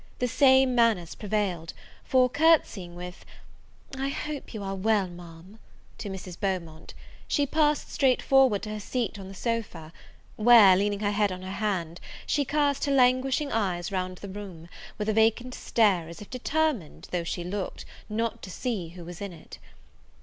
The same manners prevailed; for, courtsying, with "I hope you are well, Ma'am," to Mrs. Beaumont, she passed straight forward to her seat on the sofa; where, leaning her head on her hand, she cast her languishing eyes round the room, with a vacant stare, as if determined, though she looked, not to see who was in it.